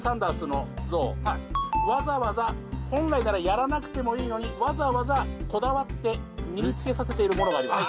わざわざ本来ならやらなくてもいいのにわざわざこだわって身につけさせているものがあります。